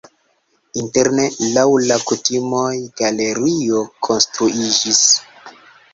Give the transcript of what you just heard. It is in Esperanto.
Interne laŭ la kutimoj galerio konstruiĝis.